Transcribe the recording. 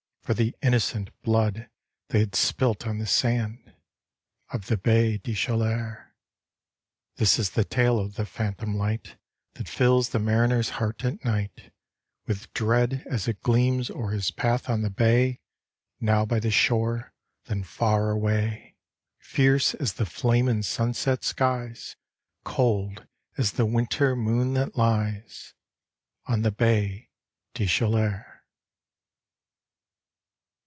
For the innocent blood they had spilt on the sand, Of the Baie des Chaleurs. This is the tale of the phantom light, That tills the manner's heart at night, With dread as it gleams o'er his path on the hay, Now by the shore, then far away, Fierce as the flame in sunset skies. Odd as the winter moon that lies On the Baie des Chaleurs.